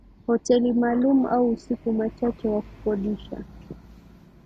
hoteli maalum au usiku machache wa kukodisha